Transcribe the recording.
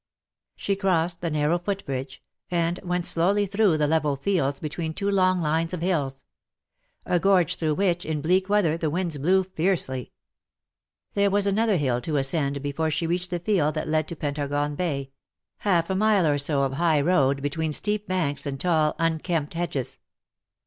She crossed the narrow footbridge, and went slowly through the level fields between two long lines of hills — a gorge through which, in bleak weather, the winds blew fiercely. There was another hill to ascend before she reached the field that led to Pentargon Bay — half a mile or so of high road between steep banks and tall unkempt hedges.